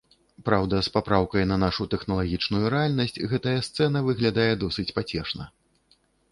Праўда, з папраўкай на нашу тэхналагічную рэальнасць гэтая сцэна выглядае досыць пацешна.